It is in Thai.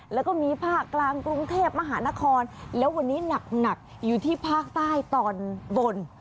แล้วก็มีภาคกลางกรุงเทพมหานครแล้ววันนี้หนักอยู่ที่ภาคใต้ตอนบน